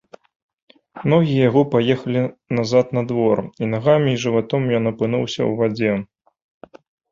Ногі яго паехалі назад на двор, і нагамі і жыватом ён апынуўся ў вадзе.